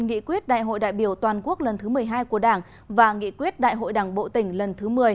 nghị quyết đại hội đại biểu toàn quốc lần thứ một mươi hai của đảng và nghị quyết đại hội đảng bộ tỉnh lần thứ một mươi